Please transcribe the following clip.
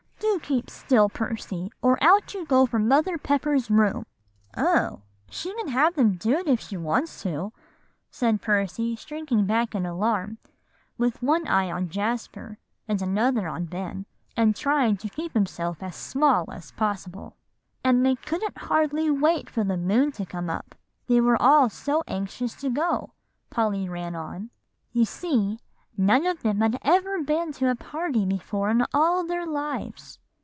"Do keep still, Percy, or out you go from Mother Pepper's room." "Oh! she can have them do it if she wants to," said Percy, shrinking back in alarm, with one eye on Jasper and another on Ben, and trying to keep himself as small as possible. "And they couldn't hardly wait for the moon to come up, they were all so anxious to go," Polly ran on. "You see, none of them had ever been to a party before in all their lives."